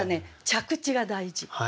着地が大事。